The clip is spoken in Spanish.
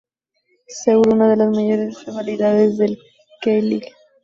Seoul, una de las mayores rivalidades de la K League.